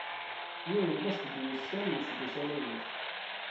Yiwen n wass deg wussan n useggas amaynut.